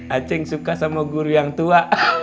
acing suka sama guru yang tua